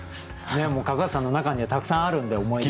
角幡さんの中にはたくさんあるんで思い出が。